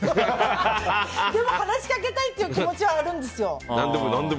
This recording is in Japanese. でも話しかけたいっていう気持ちはあるんですよ。